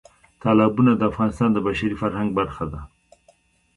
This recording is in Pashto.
تالابونه د افغانستان د بشري فرهنګ برخه ده.